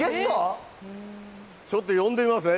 ちょっと呼んでみますね。